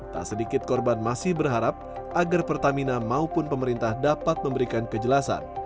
tak sedikit korban masih berharap agar pertamina maupun pemerintah dapat memberikan kejelasan